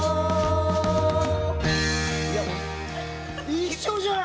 一緒じゃん！